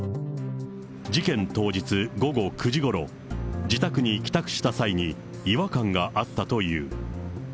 事件当日、午後９時ごろ、自宅に帰宅した際に、違和感があったという。